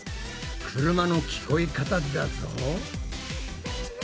車の聞こえ方だぞ。